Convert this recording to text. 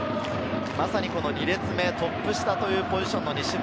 まさに２列目、トップ下というポジションの西村。